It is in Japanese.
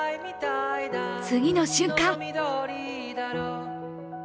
次の瞬間。